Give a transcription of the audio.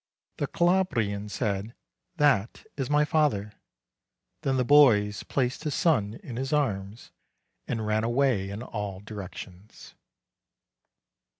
The Calabrian said, "That is my father." Then the boys placed his son in his arms and ran away in all directions.